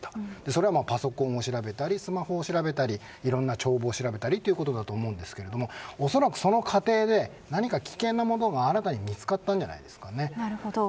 それはパソコンを調べたりスマホを調べたりいろんな帳簿を調べたりということだと思いますがおそらくその過程で、何か危険なものが新たに見つかったんじゃないですかね。